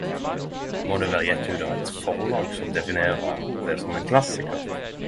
Må det vera gitt ut av eit forlag som definerer det som ein klassikar?